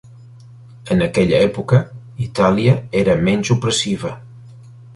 En aquella època, Itàlia era menys opressiva.